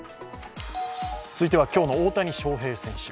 続いては、今日の大谷翔平選手。